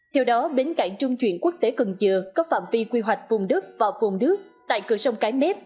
theo đó bến cảng trung chuyển quốc tế cần dừa có phạm vi quy hoạch vùng đất và vùng nước tại cửa sông cái mép